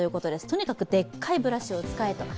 とにかくでっかいブラシを使えと。